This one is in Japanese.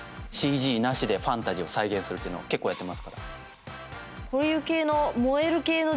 ＣＧなしでファンタジーを再現するというのを結構やってますから。